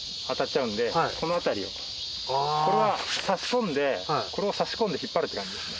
これは差し込んでこれを差し込んで引っ張るっていう感じですね。